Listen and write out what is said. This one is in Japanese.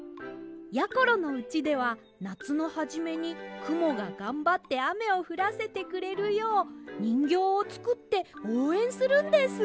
やころのうちではなつのはじめにくもががんばってあめをふらせてくれるようにんぎょうをつくっておうえんするんです。